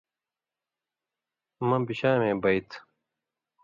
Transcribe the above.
مہ بشامے بَیت۔